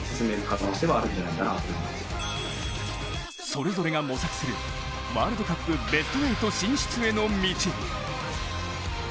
それぞれが模索するワールドカップベスト８進出への道。